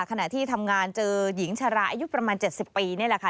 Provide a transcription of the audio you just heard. ขณะที่ทำงานเจอหญิงชราอายุประมาณ๗๐ปีนี่แหละค่ะ